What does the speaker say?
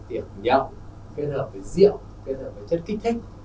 tiệc nhậu kết hợp với rượu kết hợp với chất kích thích